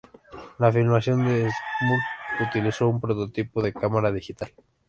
La filmación de "Spoon" utilizó un prototipo de cámara digital.